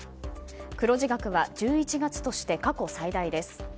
黒字額は１１月として過去最大です。